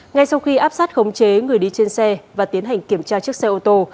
ngay sau khi áp sát khống chế người đi trên xe và tiến hành kiểm tra chiếc xe ô tô